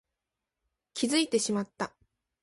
気づいてしまった